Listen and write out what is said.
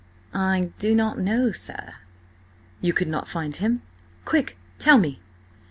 "I do not know, sir." "You could not find him? Quick! Tell me?"